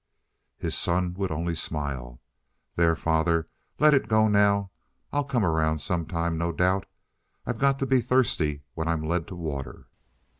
His son would only smile. "There, father, let it go now. I'll come around some time, no doubt. I've got to be thirsty when I'm led to water."